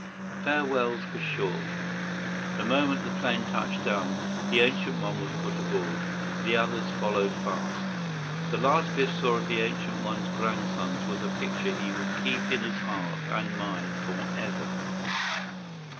Farewells were short. The moment the plane touched down, the Ancient One was put aboard. The others followed fast. The last Biff saw of the Ancient One's grandsons was a picture he would keep in his heart and mind forever.